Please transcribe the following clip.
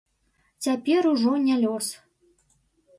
Цяпер ужо не лёс.